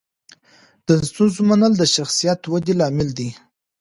د ستونزو منل د شخصیت ودې لامل دی.